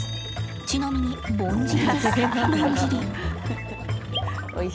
ちなみに、ぼんじりです。